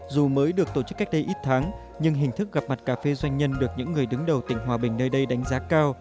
dù mới được tổ chức cách đây ít tháng nhưng hình thức gặp mặt cà phê doanh nhân được những người đứng đầu tỉnh hòa bình nơi đây đánh giá cao